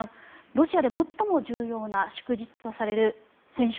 ロシアで最も重要な祝日とされる戦勝